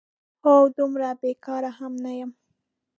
هو، دومره بېکاره هم نه یم؟!